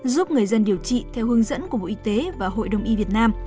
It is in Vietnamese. giúp người dân điều trị theo hướng dẫn của bộ y tế và hội đồng y việt nam